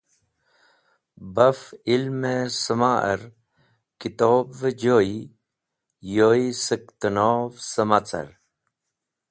Baf ilmẽ sẽmar kitobvẽ joy yoy sẽk tẽnov sẽma car.